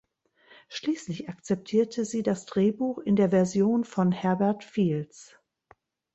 Schließlich akzeptierte sie das Drehbuch in der Version von Herbert Fields.